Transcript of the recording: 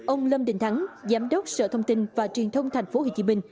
ông lâm đình thắng giám đốc sở thông tin và truyền thông tp hcm